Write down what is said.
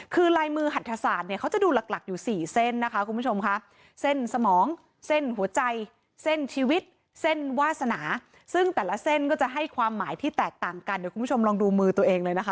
ความหมายที่แตกต่างกันเดี๋ยวคุณผู้ชมลองดูมือตัวเองเลยนะคะ